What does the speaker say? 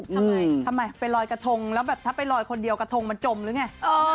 ทำไมทำไมไปลอยกระทงแล้วแบบถ้าไปลอยคนเดียวกระทงมันจมหรือไง